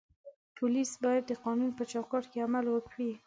پولیس باید د قانون په چوکاټ کې عمل وکړي.